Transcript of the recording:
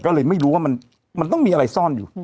ก็เลยไม่รู้ว่ามันต้องมีอะไรซ่อนอยู่